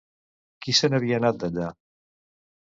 Qui se n'havia anat d'allà?